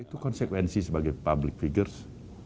itu konsekuensi sebagai public figures